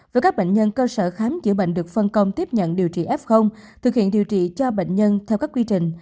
với các bệnh nhân cơ sở khám chữa bệnh được phân công tiếp nhận điều trị f thực hiện điều trị cho bệnh nhân theo các quy trình